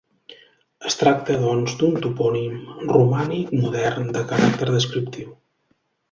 Es tracta, doncs, d'un topònim romànic modern, de caràcter descriptiu.